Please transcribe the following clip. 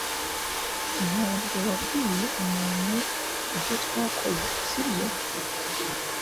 Ntabwo wabwiye umuntu ibyo twakoze, sibyo?